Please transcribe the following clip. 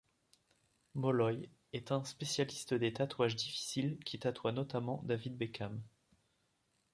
Molloy est un spécialiste des tatouages difficiles qui tatoua notamment David Beckham.